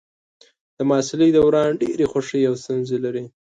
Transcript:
د محصلۍ دوران ډېرې خوښۍ او ستونزې لري.